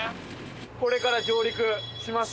これから上陸しますよ。